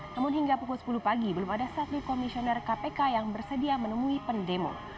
namun hingga pukul sepuluh pagi belum ada satu komisioner kpk yang bersedia menemui pendemo